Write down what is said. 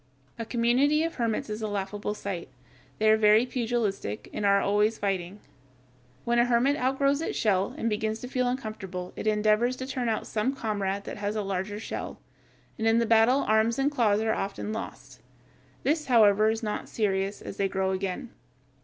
A community of hermits is a laughable sight. They are very pugilistic, and are always fighting. When a hermit outgrows its shell and begins to feel uncomfortable it endeavors to turn out some comrade that has a larger shell, and in the battle arms and claws are often lost. This, however, is not serious, as they grow again.